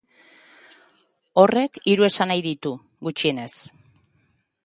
Horrek hiru esanahi ditu, gutxienez.